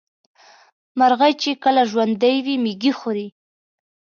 مرغۍ چې کله ژوندۍ وي مېږي خوري.